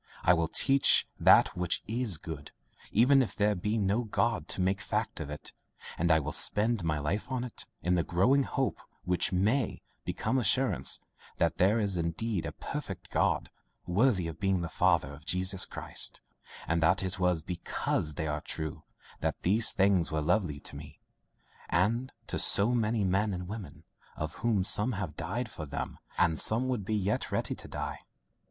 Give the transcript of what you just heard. I will teach that which IS good, even if there should be no God to make a fact of it, and I will spend my life on it, in the growing hope, which MAY become assurance, that there is indeed a perfect God, worthy of being the Father of Jesus Christ, and that it was BECAUSE they are true, that these things were lovely to me and to so many men and women, of whom some have died for them, and some would be yet ready to die."